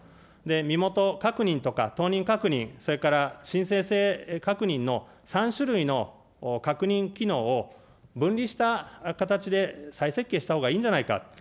身元確認とか、当人確認、それから申請制確認の３種類の確認機能を分離した形で再設計したほうがいいんじゃないか。